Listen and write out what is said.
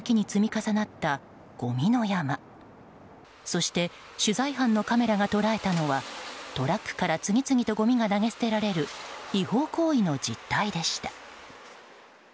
そして、取材班のカメラが捉えたのはトラックから次々とごみが投げ捨てられる違法行為の実態でした。